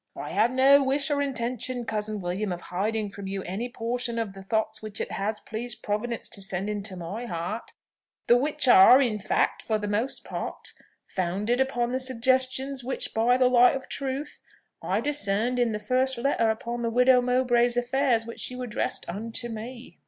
"I have no wish or intention, cousin William, of hiding from you any portion of the thoughts which it has pleased Providence to send into my heart; the which are in fact, for the most part, founded upon the suggestions which, by the light of truth, I discerned in the first letter upon the widow Mowbray's affairs which you addressed unto me."